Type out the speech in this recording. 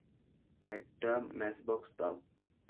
একটা ম্যাচবক্স দাও।